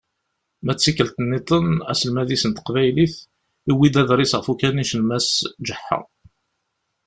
Ma d tikkelt-nniḍen, aselmad-is n teqbaylit, yewwi-d aḍris ɣef ukanic n Mass Ǧeḥḥa.